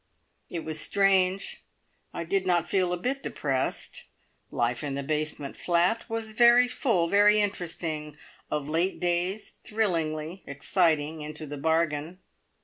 It was strange. I did not feel a bit depressed. Life in the basement flat was very full, very interesting, of late days thrillingly exciting into the bargain.